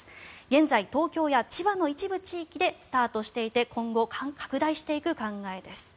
現在、東京や千葉の一部地域でスタートしていて今後、拡大していく考えです。